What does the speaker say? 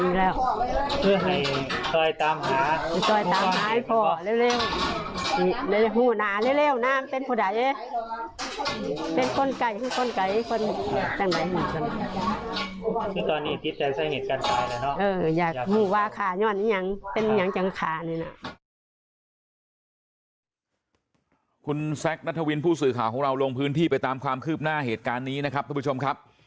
คุณแซคนัทวินผู้สื่อข่าวของเราลงพื้นที่ไปตามความคืบหน้าเหตุการณ์นี้นะครับทุกผู้ชมครับ